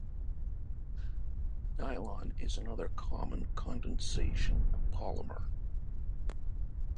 Nylon is another common condensation polymer.